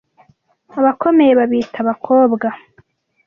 abakomeye babita abakobwa